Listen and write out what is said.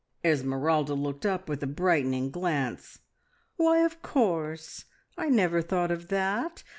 Esmeralda looked up with a brightening glance. "Why, of course, I never thought of that!